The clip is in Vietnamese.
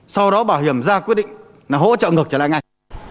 sau đó bảo hiểm ra quyết định là hỗ trợ ngược trở lại ngay